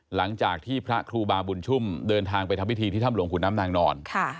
หลังจากที่พระครูบาบุญชุ่มเดินทางไปทำพิธีที่ถ้ำหลวงขุนน้ำนางนอน